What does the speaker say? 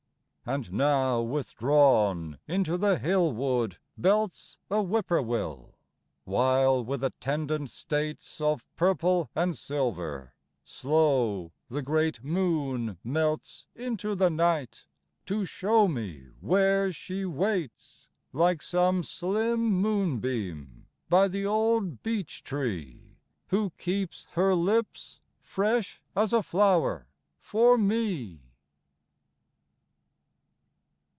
And now withdrawn into the hill wood belts A whippoorwill; while, with attendant states Of purple and silver, slow the great moon melts Into the night to show me where she waits, Like some slim moonbeam, by the old beech tree, Who keeps her lips, fresh as a flower, for me.